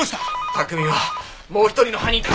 卓海はもう一人の犯人と。